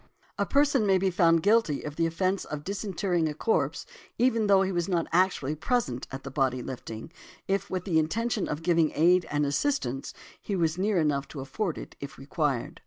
A person may be found guilty of the offence of disinterring a corpse, even though he was not actually present at the body lifting, if with the intention of giving aid and assistance he was near enough to afford it, if required .